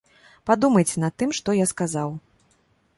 Падумайце над тым, што я сказаў.